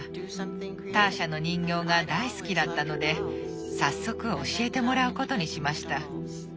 ターシャの人形が大好きだったので早速教えてもらうことにしました。